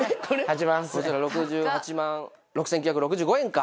こちら６８万６９６５円か。